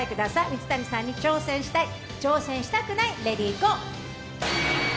水谷さんに挑戦したい挑戦したくない、レディーゴー。